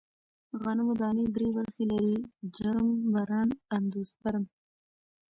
غنمو دانې درې برخې لري: جرم، بران، اندوسپرم.